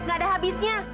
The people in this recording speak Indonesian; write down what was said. nggak ada habisnya